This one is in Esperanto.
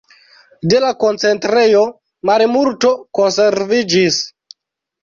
De la koncentrejo malmulto konserviĝis.